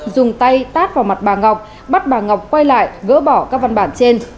dùng tay tát vào mặt bà ngọc bắt bà ngọc quay lại gỡ bỏ các văn bản trên